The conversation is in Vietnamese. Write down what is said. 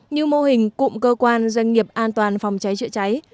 như mô hình cụm cơ quan doanh nghiệp an toàn phòng cháy chữa cháy